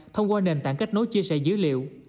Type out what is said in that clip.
thông qua nền tảng kết nối chia sẻ dữ liệu